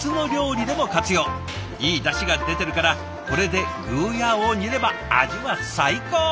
いいだしが出てるからこれでグーヤーを煮れば味は最高！